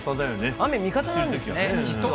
雨、味方なんですね、実は。